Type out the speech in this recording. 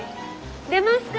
出ますか？